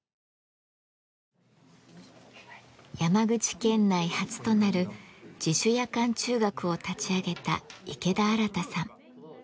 山口県内初となる自主夜間中学を立ち上げた池田新さん。